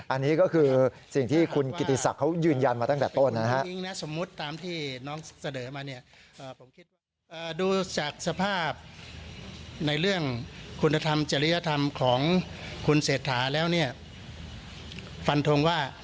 อันนี้ก็คือสิ่งที่คุณกิติศักดิ์เขายืนยันมาตั้งแต่ต้นนะครับ